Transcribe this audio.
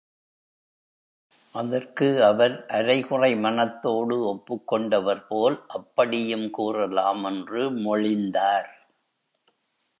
அதற்கு அவர், அரை குறை மனத்தோடு ஒப்புக் கொண்டவர் போல் அப்படியும் கூறலாம் என்று மொழிந்தார்.